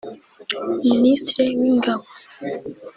Minisitiri w'ingabo